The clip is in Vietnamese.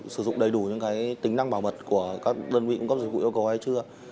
sử dụng đầy đủ những tính năng bảo mật của các đơn vị cung cấp dịch vụ yêu cầu hay chưa